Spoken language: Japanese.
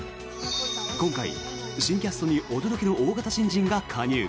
今回、新キャストに驚きの大型新人が加入。